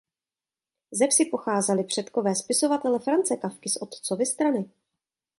Ze vsi pocházeli předkové spisovatele Franze Kafky z otcovy strany.